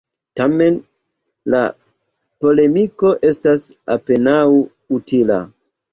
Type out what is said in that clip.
Tamen, la polemiko estas apenaŭ utila.